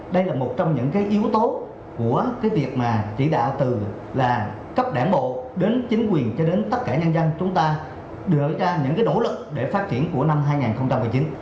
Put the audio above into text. đây là một trong những yếu tố của cái việc mà chỉ đạo từ là cấp đảng bộ đến chính quyền cho đến tất cả nhân dân chúng ta đưa ra những cái nỗ lực để phát triển của năm hai nghìn một mươi chín